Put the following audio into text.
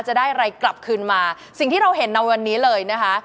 จะได้อะไรกลับคืนมาสิ่งที่เราเห็นในวันนี้เลยนะคะ